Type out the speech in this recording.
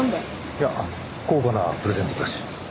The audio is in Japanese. いや高価なプレゼントだし。